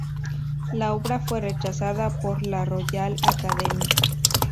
La obra fue rechazada por la Royal Academy.